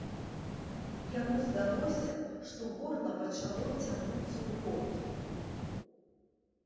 Яму здалося, што горла пачало цягнуцца ў рот.